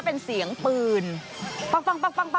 เป็นเสียงของทุกคนนะครับ